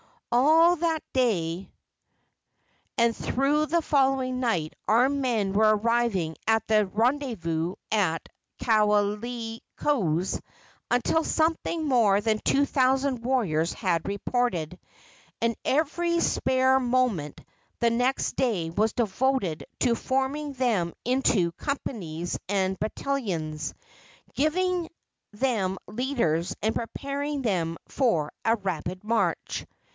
All that day and through the following night armed men were arriving at the rendezvous at Kaoleioku's, until something more than two thousand warriors had reported, and every spare moment of the next day was devoted to forming them into companies and battalions, giving them leaders and preparing them for a rapid march.